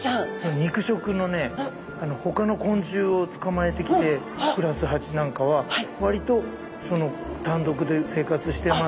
肉食のねほかの昆虫を捕まえてきて暮らすハチなんかは割と単独で生活してます。